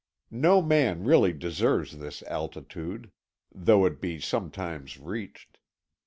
No man really deserves this altitude, though it be sometimes reached.